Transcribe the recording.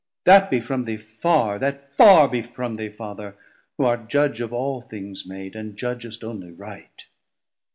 that be from thee farr, That farr be from thee, Father, who art Judge Of all things made, and judgest onely right.